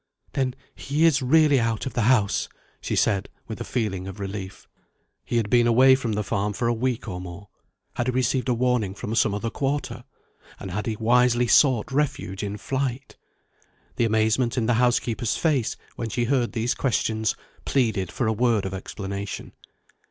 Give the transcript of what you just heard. "Then he is really out of the house?" she said with a feeling of relief. He had been away from the farm for a week or more. Had he received a warning from some other quarter? and had he wisely sought refuge in flight? The amazement in the housekeeper's face, when she heard these questions, pleaded for a word of explanation.